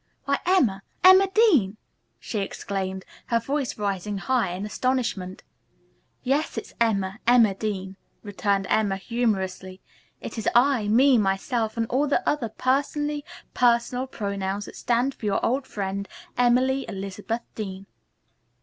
"Why, Emma, Emma Dean!" she exclaimed, her voice rising high in astonishment. [Illustration: "Why, Emma Dean!" Exclaimed Grace.] "Yes, it's Emma, Emma Dean," returned Emma humorously. "It is I, me, myself and all the other personally personal pronouns that stand for your old friend, Emily Elizabeth Dean."